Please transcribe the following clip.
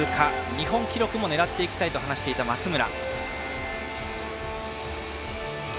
日本記録も狙っていきたいと話していた、松村。